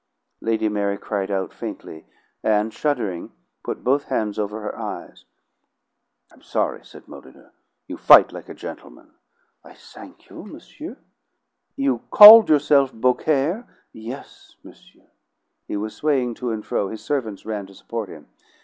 Lady Mary cried out faintly, and, shuddering, put both hands over her eyes. "I'm sorry," said Molyneux. "You fight like a gentleman." "I thank you, monsieur." "You called yourself Beaucaire?" "Yes, monsieur." He was swaying to and fro; his servants ran to support him.